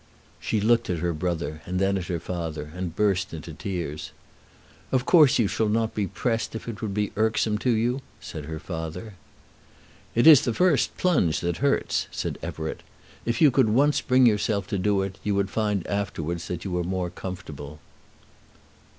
She looked at her brother, and then at her father, and burst into tears. "Of course you shall not be pressed if it would be irksome to you," said her father. "It is the first plunge that hurts," said Everett. "If you could once bring yourself to do it, you would find afterwards that you were more comfortable."